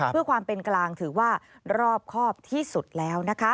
เพื่อความเป็นกลางถือว่ารอบครอบที่สุดแล้วนะคะ